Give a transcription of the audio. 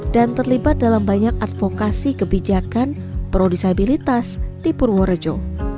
terlibat dalam banyak advokasi kebijakan pro disabilitas di purworejo